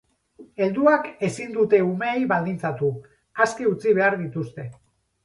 Helduak ezin dute umeei baldintzatu, aske utzi behar dituzte.